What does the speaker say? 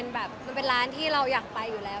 แบบมันเป็นร้านที่เราอยากไปอยู่แล้ว